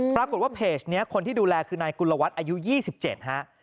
ปรากฏว่าเพจนี้คนที่ดูแลคือนายกุลวัฒน์อายุ๒๗ฮะ